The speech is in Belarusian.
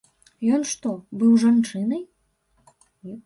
Ён што, быў жанчынай?